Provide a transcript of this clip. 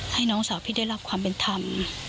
ให้น้องสาวพี่ได้รับความเป็นธรรม